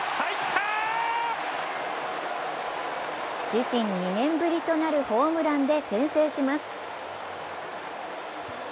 自身２年ぶりとなるホームランで先制します。